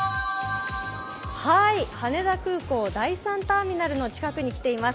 羽田空港第３ターミナルの近くに来ています。